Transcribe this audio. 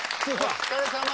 お疲れさま。